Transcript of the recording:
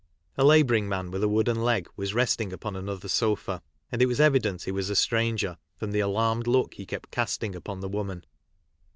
A labouring man with a wooden leg was resting upon another sofa, and it was evident he was a stranger, from the alarmed look he kept casting upon the woman.